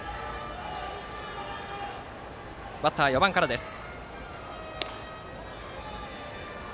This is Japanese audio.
バッターは４番からです。